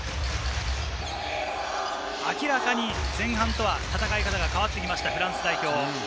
明らかに前半と戦い方が変わってきました、フランス代表。